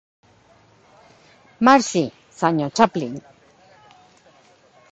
Marxi, Sr. Chaplin.